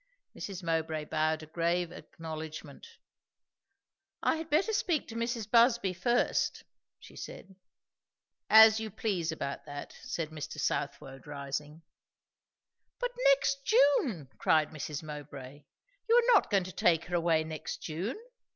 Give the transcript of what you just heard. Mrs. Mowbray bowed a grave acknowledgment. "I had better speak to Mrs. Busby first," she said. "As you please about that," said Mr. Southwode rising. "But next June!" cried Mrs. Mowbray. "You are not going to take her away next June?